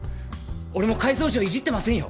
俺もう改造銃はいじってませんよ。